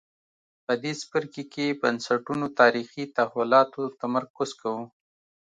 په دې څپرکي کې بنسټونو تاریخي تحولاتو تمرکز کوو.